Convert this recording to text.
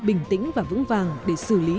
bình tĩnh và vững vàng để xử lý